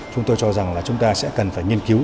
chúng tôi cho rằng là chúng ta sẽ cần phải nghiên cứu